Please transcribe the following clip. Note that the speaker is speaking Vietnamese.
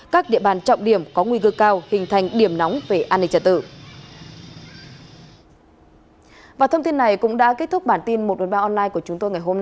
các địa bàn trọng điểm có nguy cơ cao hình thành điểm nóng về an ninh trật tự